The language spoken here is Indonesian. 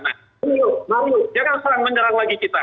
nah marius jangan salah menyerang lagi kita